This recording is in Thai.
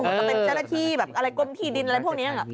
เป็นเจรติแบบอะไรก้นที่ดินอะไรพวกนี้